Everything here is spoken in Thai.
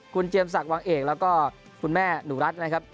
คุณเจียมศักดิวังเอกแล้วก็คุณแม่หนูรัฐนะครับ